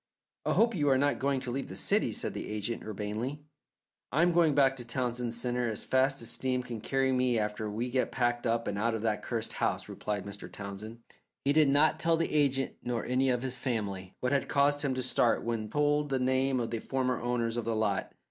"I hope you are not going to leave the city?" said the agent, urbanely. "I am going back to Townsend Centre as fast as steam can carry me after we get packed up and out of that cursed house," replied Mr. David Townsend. He did not tell the agent nor any of his family what had caused him to start when told the name of the former owners of the lot.